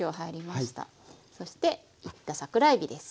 そして煎った桜えびです。